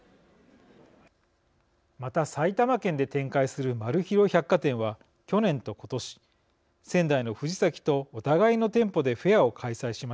また埼玉県で展開する丸広百貨店は去年と今年仙台の藤崎とお互いの店舗でフェアを開催しました。